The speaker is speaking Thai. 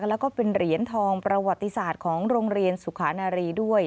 แล้วก็เป็นเหรียญทองประวัติศาสตร์ของโรงเรียนสุขานารีด้วย